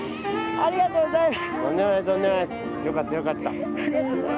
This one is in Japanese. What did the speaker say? ありがとうございます。